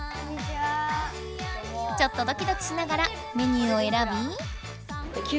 ちょっとドキドキしながらメニューをえらび。